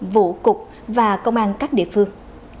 vụ cục và công an các địa phương